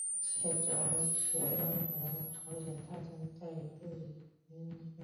其中权仲和在朝鲜太宗在位期间担任过领议政之职。